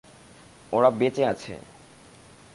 ওরা বেঁচে আছে।